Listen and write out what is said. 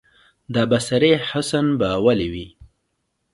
د بصرې حسن به ولي وي،